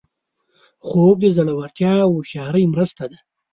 خوب د زړورتیا او هوښیارۍ مرسته ده